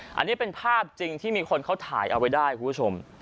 อันนี้เป็นภาพจริงที่มีคนเขาถ่ายเอาไว้ได้คุณผู้ชม